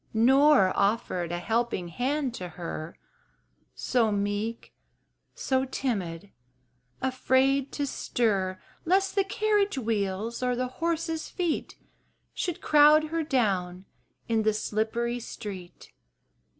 Nor offered a helping hand to her So meek, so timid, afraid to stir Lest the carriage wheels or the horses' feet Should crowd her down in the slippery street.